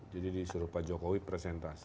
jadi disuruh pak jokowi presentasi